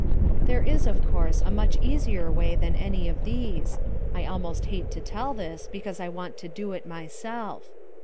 There is, of course, a much easier way than any of these. I almost hate to tell this, because I want to do it myself.